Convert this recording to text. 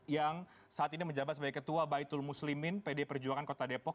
yang saat ini menjabat sebagai ketua baitul muslimin pd perjuangan kota depok